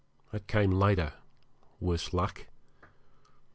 That came later on, worse luck.